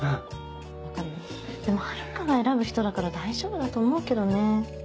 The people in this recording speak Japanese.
分かるよでも遥が選ぶ人だから大丈夫だと思うけどね。